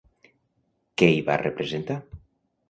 Què hi va representar?